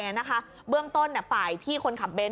เบื้องต้นฝ่ายพี่คนขับเน้น